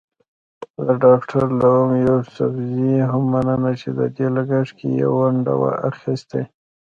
د ډاکټر لونګ يوسفزي هم مننه چې د دې لګښت کې يې ونډه اخيستې.